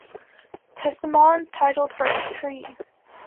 Tessimond titled "Birch Tree".